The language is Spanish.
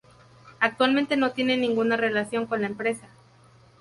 Actualmente no tiene ninguna relación con la empresa.